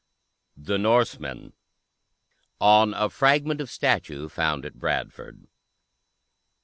THE NORSEMEN [On a fragment of statue found at Bradford.